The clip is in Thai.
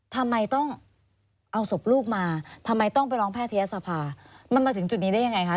ทำไมต้องเอาศพลูกมาทำไมต้องไปร้องแพทยศภามันมาถึงจุดนี้ได้ยังไงคะ